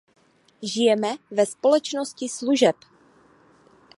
Žijeme ve společnosti služeb.